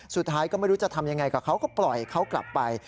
สุดท้ายก็ไม่รู้จะทำยังไงกับเขาก็ปล่อยเขากลับไป